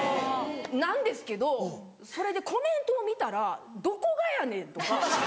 なんですけどそれでコメントを見たら「どこがやねん」とか。